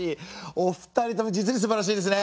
お二人とも実にすばらしいですね。